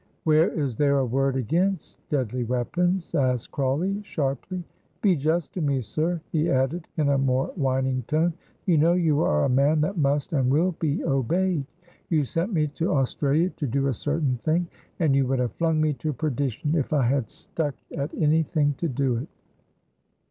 "Where is there a word against deadly weapons?" asked Crawley, sharply. "Be just to me, sir," he added in a more whining tone. "You know you are a man that must and will be obeyed. You sent me to Australia to do a certain thing, and you would have flung me to perdition if I had stuck at anything to do it.